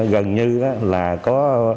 gần như là có